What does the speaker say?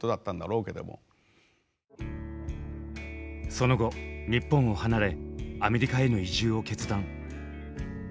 その後日本を離れアメリカへの移住を決断。